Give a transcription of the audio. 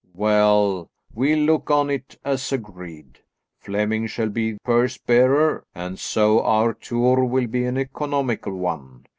Well, we'll look on it as agreed. Flemming shall be purse bearer, and so our tour will be an economical one.